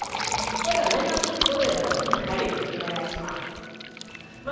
まずは年末、どのようになるか見ていきます。